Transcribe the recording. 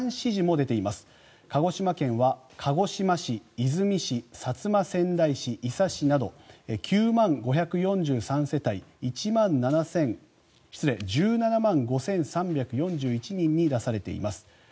出水市、薩摩川内市伊佐市など、９万５４３世帯１７万５３４１人に出されています。